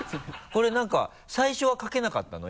これ何か最初は書けなかったの？